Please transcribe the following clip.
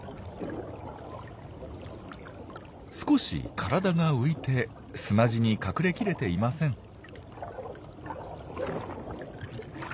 少し体が浮いて砂地に隠れきれていません。